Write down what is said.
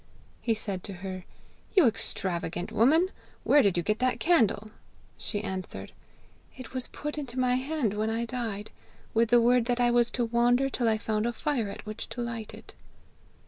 He said to her, 'You extravagant woman! where did you get that candle?' She answered, 'It was put into my hand when I died, with the word that I was to wander till I found a fire at which to light it.'